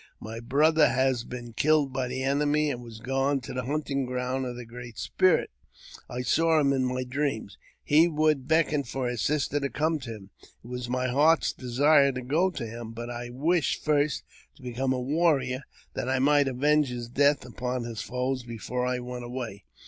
My brother had been killed by the enemy, and was gone to the hunting ground of the Great Spirit. I saw him in* my dreams. He would beckon for his sister to come to him. It was my heart's desire to go to him, but I wished first to become a warrior, that I might avenge his death upon his foes before I went away.